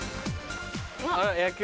野球？